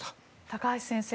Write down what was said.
高橋先生